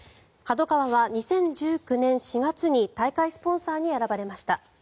ＫＡＤＯＫＡＷＡは２０１９年４月に大会スポンサーに選ばれました。